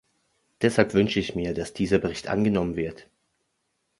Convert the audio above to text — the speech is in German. Deshalb wünsche ich mir, dass dieser Bericht angenommen wird.